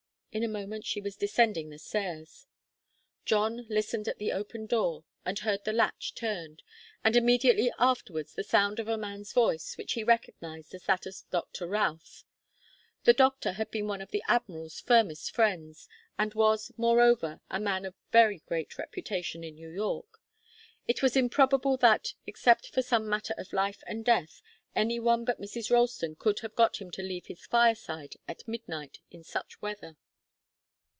In a moment she was descending the stairs. John listened at the open door, and heard the latch turned, and immediately afterwards the sound of a man's voice, which he recognized as that of Doctor Routh. The doctor had been one of the Admiral's firmest friends, and was, moreover, a man of very great reputation in New York. It was improbable that, except for some matter of life and death, any one but Mrs. Ralston could have got him to leave his fireside at midnight and in such weather.